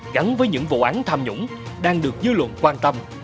gắn với những vụ án tham nhũng đang được dư luận quan tâm